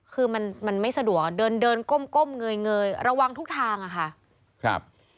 คือมันมันไม่สะดวกเดินเดินก้มก้มเงยระวังทุกทางอะค่ะครับ